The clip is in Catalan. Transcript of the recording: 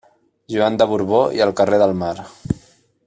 Joan de Borbó i el carrer del Mar.